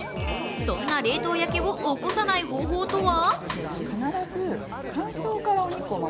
そんな冷凍焼けを起こさない方法とは？